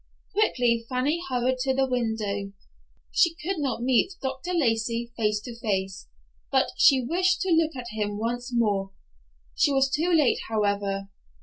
Quickly Fanny hurried to the window. She could not meet Dr. Lacey face to face, but she wished to look at him once more. She was too late, however.